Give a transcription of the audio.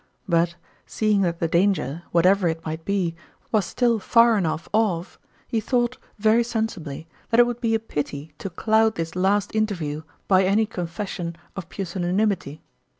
But, seeing that the danger, whatever it might be, was still far enough off, he thought, very sensibly, that it would be a pity to cloud this last interview by any confession of pusilla nimity.